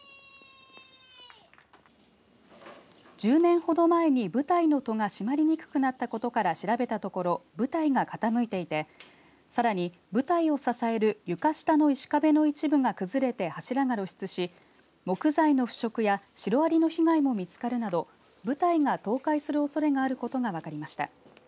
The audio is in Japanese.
１０年ほど前に舞台の戸が閉まりにくくなったことから調べたところ舞台が傾いていてさらに舞台を支える床下の石壁の一部が崩れて柱が露出し、木材の腐食やシロアリの被害も見つかるなど舞台が倒壊するおそれがあることが分かりました。